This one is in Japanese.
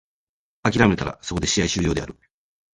諦めたらそこで試合終了である。